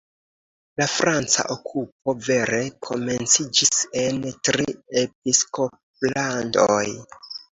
La franca okupo vere komenciĝis en Tri-Episkoplandoj.